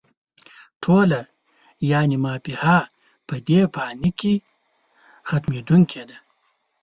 ټوله «ما فيها» په دې فاني کې ختمېدونکې ده